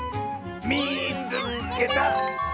「みいつけた！」。